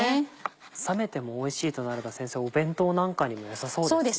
冷めてもおいしいとなればお弁当なんかにもよさそうですね。